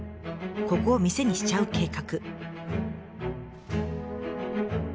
ここを店にしちゃう計画。